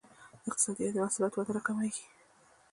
اقتصادي وده محصولات وده راکمېږي.